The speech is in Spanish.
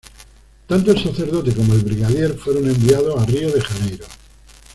Tanto el sacerdote como el brigadier fueron enviados a Río de Janeiro.